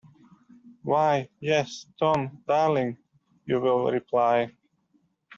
'Why, yes, Tom, darling,' you will reply.